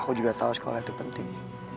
aku juga tahu sekolah itu penting